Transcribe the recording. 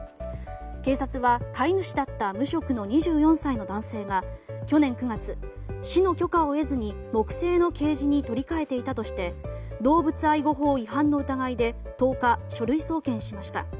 警察は飼い主だった無職の２４歳の男性が去年９月、市の許可を得ずに木製のケージに取り換えていたとして動物愛護法違反の疑いで１０日、書類送検しました。